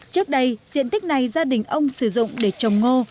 trước đây diện tích này gia đình ông sử dụng để trồng ngô